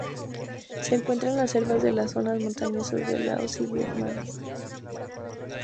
Se encuentra en las selvas de las zonas montañosas de Laos y Vietnam.